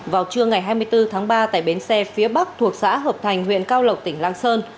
vào trưa ngày hai mươi bốn tháng ba tại bến xe phía bắc thuộc xã hợp thành huyện cao lộc tỉnh lạng sơn